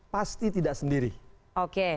pasti tidak sendiri oke